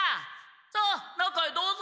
さあ中へどうぞ！